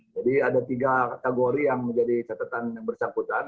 jadi ada tiga kategori yang menjadi catatan bersangkutan